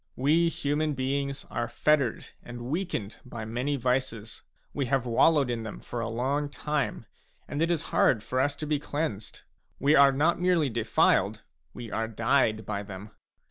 We human beings are fettered and weakened by many vices ; we have wallowed in them for a long time, and it is hard for us to be cleansed. We are not merely defiled ; we are dyed by them.